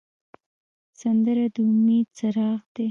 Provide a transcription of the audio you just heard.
سندره د امید څراغ دی